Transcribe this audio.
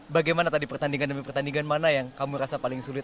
bagaimana tadi pertandingan demi pertandingan mana yang kamu rasa paling sulit